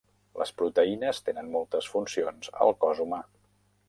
Les proteïnes tenen moltes funcions al cos humà.